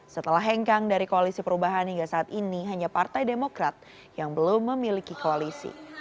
setelah hengkang dari koalisi perubahan hingga saat ini hanya partai demokrat yang belum memiliki koalisi